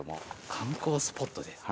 観光スポットですか。